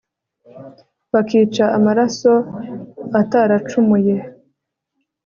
bakica amaraso ataracumuye